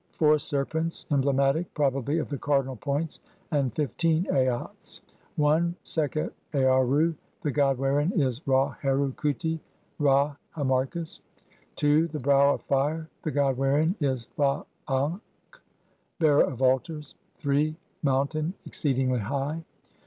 Four serpents, emblematic probably of the cardinal points, and fifteen Aats :— I. "Sekhet Aarru ; the god wherein is Ra Heru Khuti "(Ra Harmachis)." II. ' J) "The brow of fire ; the god wherein is Fa akh "(Bearer of altars)." III. [ pO 1 "Mountain, exceedingly high."